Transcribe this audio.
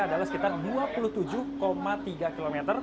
adalah sekitar dua puluh tujuh tiga km